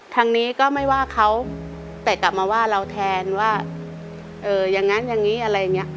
ทางนี้ก็ไม่ว่าเขาแต่กลับมาว่าเราแทนว่าอย่างนั้นอย่างนี้อะไรอย่างนี้